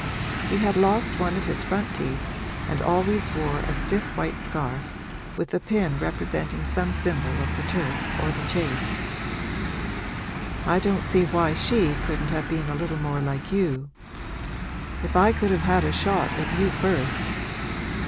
He had lost one of his front teeth and always wore a stiff white scarf, with a pin representing some symbol of the turf or the chase. 'I don't see why she couldn't have been a little more like you. If I could have had a shot at you first!'